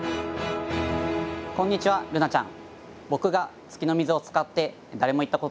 こんにちはルナちゃん。